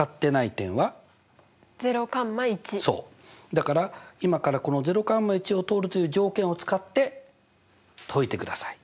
だから今からこのを通るという条件を使って解いてください。